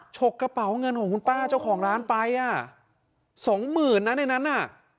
ฉกกระเป๋าเงินของคุณป้าเจ้าของร้านไปอ่ะสองหมื่นนะในนั้นน่ะ